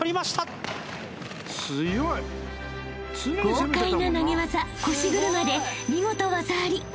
［豪快な投げ技腰車で見事技あり］